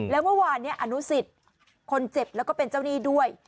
แล้วเมื่อวานอนุสิตคนเจ็บแล้วก็เป็นเจ้าหนี้ด้วย